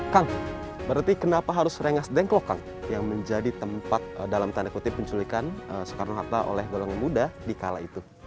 kang berarti kenapa harus rengas dengklok kang yang menjadi tempat dalam tanda kutip penculikan soekarno hatta oleh golongan muda di kala itu